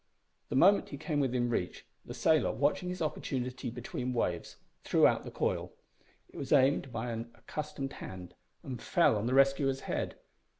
The moment he came within reach, the sailor, watching his opportunity between waves, threw out the coil. It was aimed by an accustomed hand and fell on the rescuer's head.